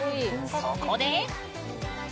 そこで。